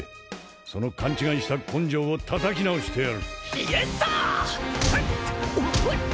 その勘違いした根性を叩き直してやるイエッサー！